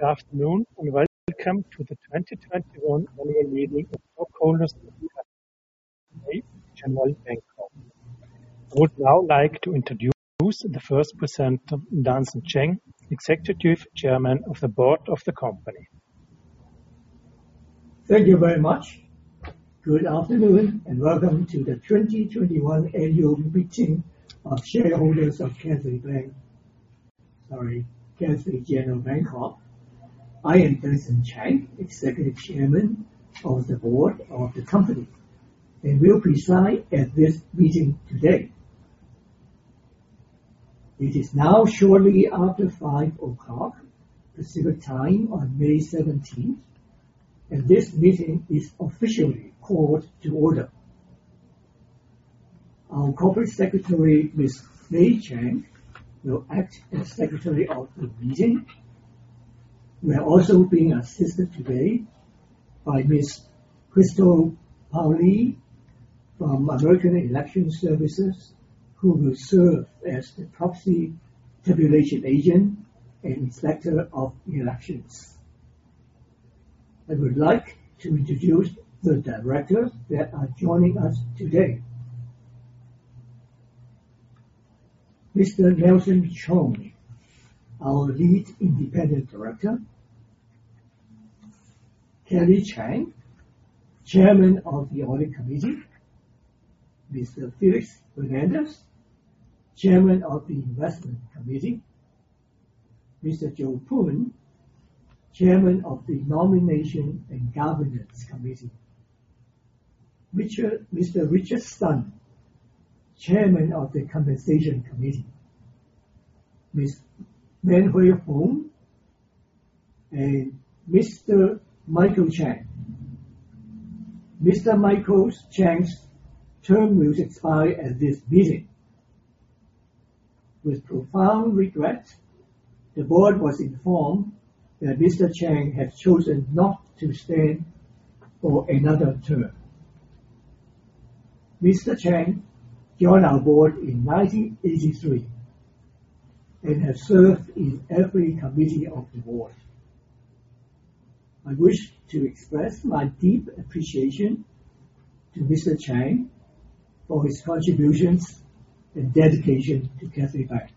Good afternoon, and welcome to the 2021 annual meeting of stockholders of Cathay General Bancorp. I would now like to introduce the first presenter, Dunson Cheng, Executive Chairman of the Board of the company. Thank you very much. Good afternoon, and welcome to the 2021 annual meeting of shareholders of Cathay General Bancorp. I am Dunson Cheng, Executive Chairman of the Board of the company, and will preside at this meeting today. It is now shortly after 5:00 Pacific Time on May 17th, and this meeting is officially called to order. Our corporate secretary, Ms. May Chan, will act as Secretary of the meeting. We are also being assisted today by Ms. Christel Pauli from American Election Services, who will serve as the proxy tabulation agent and Inspector of Elections. I would like to introduce the directors that are joining us today. Mr. Nelson Chung, our Lead Independent Director. Kelly Chan, Chairman of the Audit Committee. Mr. Felix Fernandez, Chairman of the Investment Committee. Mr. Joe Poon, Chairman of the Nomination and Governance Committee. Mr. Richard Sun, Chairman of the Compensation Committee. Ms. Maan-Huei Hung and Mr. Michael Chang. Mr. Michael M. Y. Chang's term will expire at this meeting. With profound regret, the board was informed that Mr. Chang had chosen not to stand for another term. Mr. Chang joined our board in 1983 and has served in every committee of the board. I wish to express my deep appreciation to Mr. Chang for his contributions and dedication to Cathay Bank.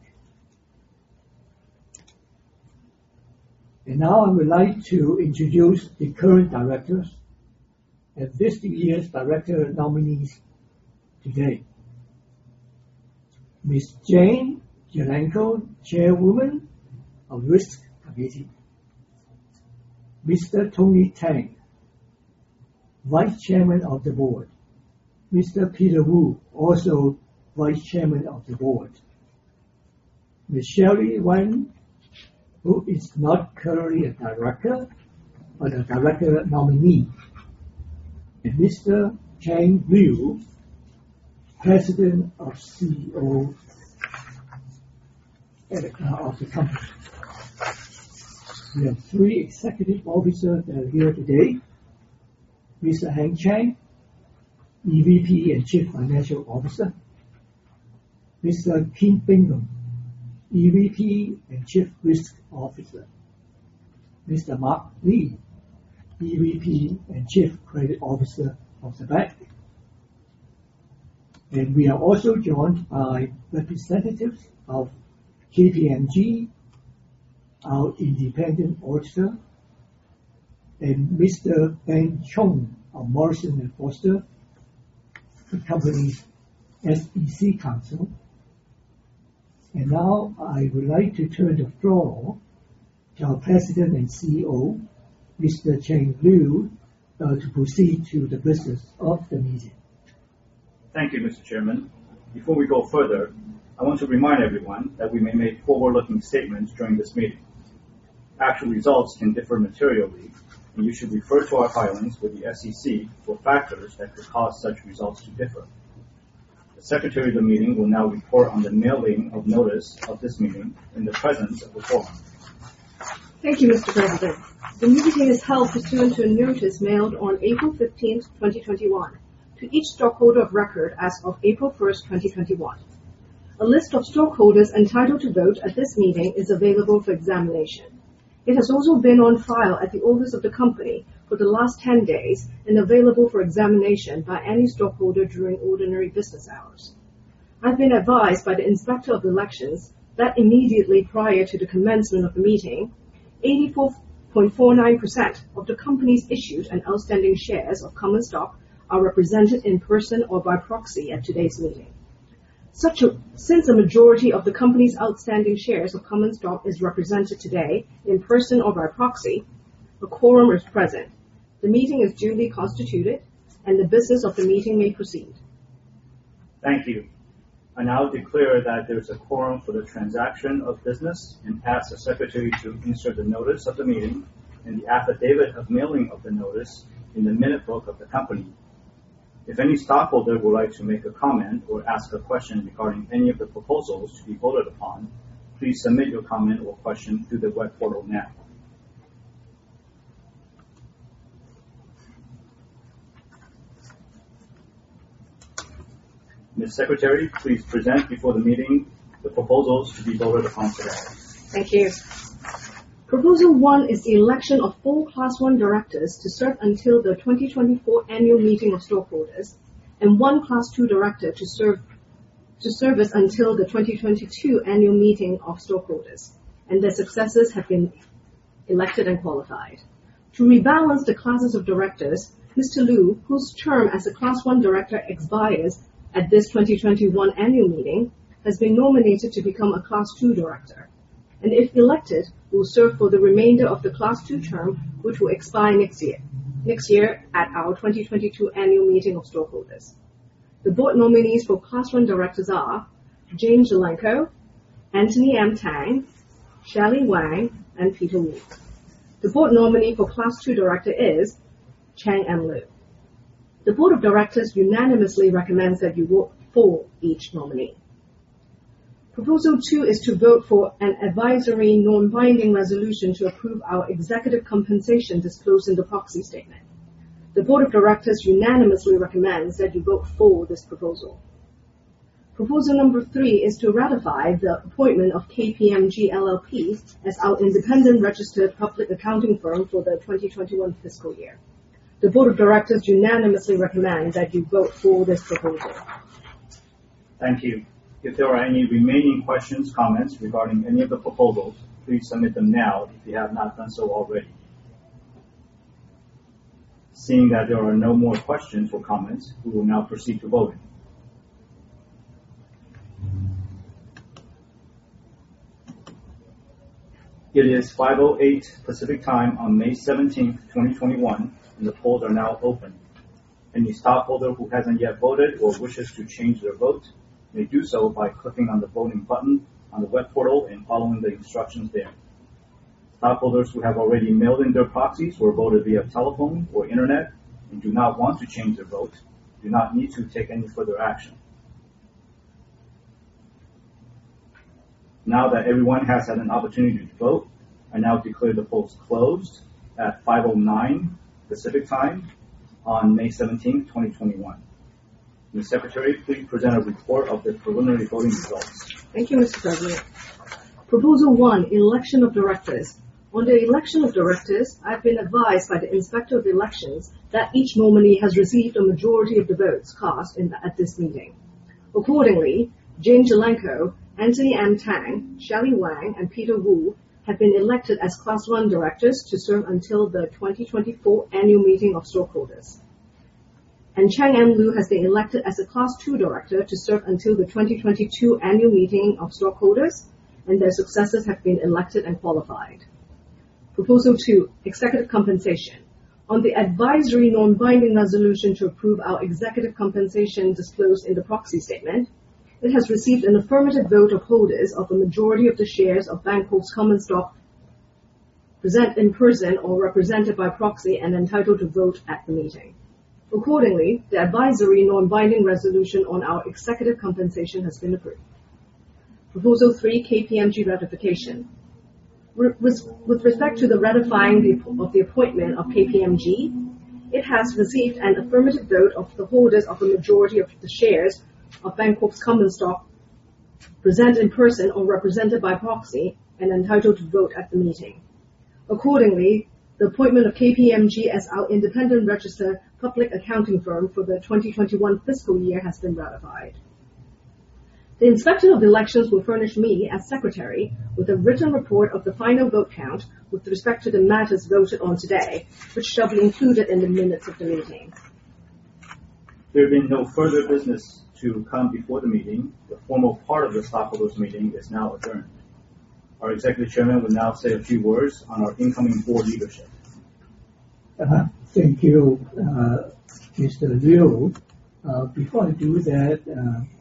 Now I would like to introduce the current directors and this year's director nominees today. Ms. Jane Jelenko, Chairwoman of Risk Committee. Mr. Tony Tang, Vice Chairman of the board. Mr. Peter Wu, also Vice Chairman of the board. Ms. Shally Wang, who is not currently a director, but a director nominee. Mr. Chang Liu, President and CEO of the company. We have three executive officers that are here today. Mr. Heng Chen, EVP and Chief Financial Officer. Mr. Kim Bingham, EVP and Chief Risk Officer. Mr. Mark Lee, EVP and Chief Credit Officer of the bank. We are also joined by representatives of KPMG, our independent auditor, and Mr. Ben Chung of Morrison & Foerster, the company's SEC counsel. Now I would like to turn the floor to our President and CEO, Mr. Chang Liu, to proceed to the business of the meeting. Thank you, Mr. Chairman. Before we go further, I want to remind everyone that we may make forward-looking statements during this meeting. Actual results can differ materially, and you should refer to our filings with the SEC for factors that could cause such results to differ. The Secretary of the meeting will now report on the mailing of notice of this meeting and the presence of a quorum. Thank you, Mr. President. The meeting is held pursuant to a notice mailed on April 15th, 2021, to each stockholder of record as of April 1st, 2021. A list of stockholders entitled to vote at this meeting is available for examination. It has also been on file at the office of the company for the last 10 days and available for examination by any stockholder during ordinary business hours. I've been advised by the Inspector of Elections that immediately prior to the commencement of the meeting, 84.49% of the company's issued and outstanding shares of common stock are represented in person or by proxy at today's meeting. A majority of the company's outstanding shares of common stock is represented today in person or by proxy, a quorum is present. The meeting is duly constituted, and the business of the meeting may proceed. Thank you. I now declare that there's a quorum for the transaction of business and ask the Secretary to insert the notice of the meeting and the affidavit of mailing of the notice in the minute book of the company. If any stockholder would like to make a comment or ask a question regarding any of the proposals to be voted upon, please submit your comment or question through the web portal now. Ms. Secretary, please present before the meeting the proposals to be voted on today. Thank you. Proposal one is the election of four Class I directors to serve until the 2024 annual meeting of stockholders, and one Class II director to serve us until the 2022 annual meeting of stockholders, and their successors have been elected and qualified. To rebalance the classes of directors, Mr. Liu, whose term as a Class I director expires at this 2021 annual meeting, has been nominated to become a Class II director, and if elected, will serve for the remainder of the Class II term, which will expire next year at our 2022 annual meeting of stockholders. The board nominees for Class I directors are Jane Jelenko, Anthony M. Tang, Shally Wang, and Peter Wu. The board nominee for Class II director is Chang M. Liu. The board of directors unanimously recommends that you vote for each nominee. Proposal 2 is to vote for an advisory non-binding resolution to approve our executive compensation disclosed in the proxy statement. The board of directors unanimously recommends that you vote for this proposal. Proposal number 3 is to ratify the appointment of KPMG LLP as our independent registered public accounting firm for the 2021 fiscal year. The board of directors unanimously recommends that you vote for this proposal. Thank you. If there are any remaining questions, comments regarding any of the proposals, please submit them now if you have not done so already. Seeing that there are no more questions or comments, we will now proceed to voting. It is 5:08 P.M. Pacific Time on May 17th, 2021, and the polls are now open. Any stockholder who hasn't yet voted or wishes to change their vote may do so by clicking on the voting button on the web portal and following the instructions there. Stockholders who have already mailed in their proxies or voted via telephone or internet and do not want to change their vote do not need to take any further action. Now that everyone has had an opportunity to vote, I now declare the polls closed at 5:09 P.M. Pacific Time on May 17th, 2021. Ms. Secretary, please present a report of the preliminary voting results. Thank you, Mr. Chairman. Proposal one, election of directors. On the election of directors, I've been advised by the Inspector of Elections that each nominee has received a majority of the votes cast at this meeting. Accordingly, Jane Jelenko, Anthony M. Tang, Shally Wang, and Peter Wu have been elected as Class 1 directors to serve until the 2024 annual meeting of stockholders, and Chang M. Liu has been elected as a Class 2 director to serve until the 2022 annual meeting of stockholders and their successors have been elected and qualified. Proposal two, executive compensation. On the advisory non-binding resolution to approve our executive compensation disclosed in the proxy statement, it has received an affirmative vote of holders of the majority of the shares of Bancorp's common stock present in person or represented by proxy and entitled to vote at the meeting. Accordingly, the advisory non-binding resolution on our executive compensation has been approved. Proposal 3, KPMG ratification. With respect to the ratifying of the appointment of KPMG, it has received an affirmative vote of the holders of a majority of the shares of Bancorp's common stock present in person or represented by proxy and entitled to vote at the meeting. Accordingly, the appointment of KPMG as our independent registered public accounting firm for the 2021 fiscal year has been ratified. The Inspector of Elections will furnish me, as secretary, with a written report of the final vote count with respect to the matters voted on today, which shall be included in the minutes of the meeting. There being no further business to come before the meeting, the formal part of the stockholders' meeting is now adjourned. Our executive chairman will now say a few words on our incoming board leadership. Thank you, Mr. Liu. Before I do that,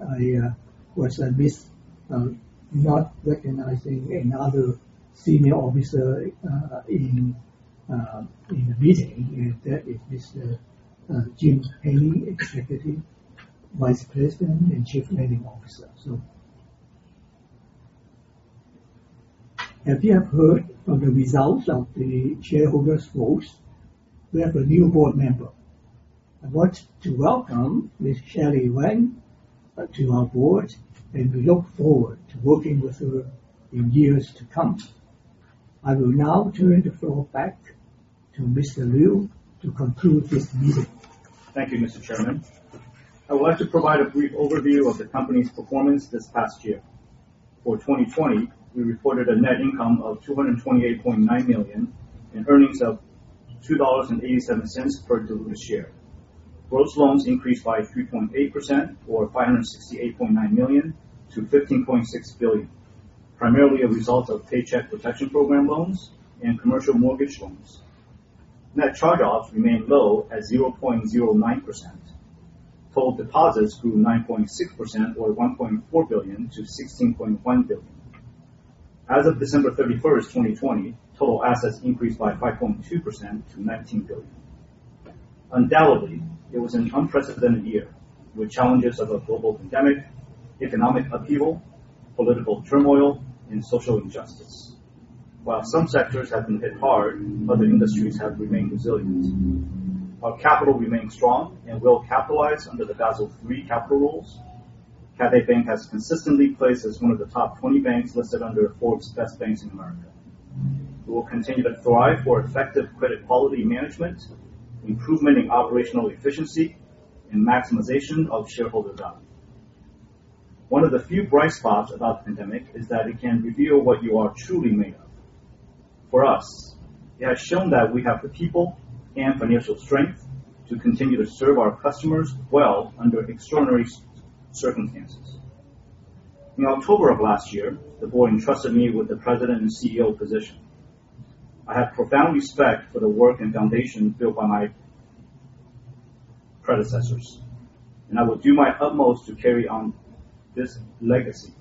I was remiss not recognizing another senior officer in the meeting, and that is Jim Haney, Executive Vice President and Chief Lending Officer. As you have heard from the results of the shareholders' votes, we have a new board member. I want to welcome Ms. Shally Wang to our board, and we look forward to working with her in years to come. I will now turn the floor back to Mr. Liu to conclude this meeting. Thank you, Mr. Chairman. I want to provide a brief overview of the company's performance this past year. For 2020, we reported a net income of $228.9 million and earnings of $2.87 per diluted share. Gross loans increased by 3.8% or $568.9 million to $15.6 billion, primarily a result of Paycheck Protection Program loans and commercial mortgage loans. Net charge-offs remained low at 0.09%. Total deposits grew 9.6% or $1.4 billion-$16.1 billion. As of December 31st, 2020, total assets increased by 5.2% to $19 billion. Undoubtedly, it was an unprecedented year with challenges of a global pandemic, economic upheaval, political turmoil, and social injustice. While some sectors have been hit hard, other industries have remained resilient. Our capital remains strong and well-capitalized under the Basel III capital rules. Cathay Bank has consistently placed as one of the top 20 banks listed under Forbes America's Best Banks. We will continue to strive for effective credit quality management, improvement in operational efficiency, and maximization of shareholder value. One of the few bright spots about the pandemic is that it can reveal what you are truly made of. For us, it has shown that we have the people and financial strength to continue to serve our customers well under extraordinary circumstances. In October of last year, the board entrusted me with the President and CEO position. I have profound respect for the work and foundation built by my predecessors, and I will do my utmost to carry on this legacy.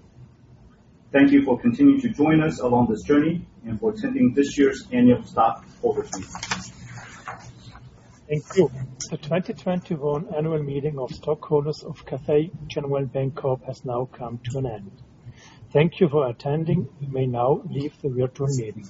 Thank you for continuing to join us along this journey and for attending this year's annual stockholders' meeting. Thank you. The 2021 annual meeting of stockholders of Cathay General Bancorp has now come to an end. Thank you for attending. You may now leave the virtual meeting.